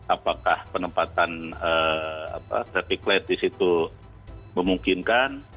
apakah penempatan traffic light di situ memungkinkan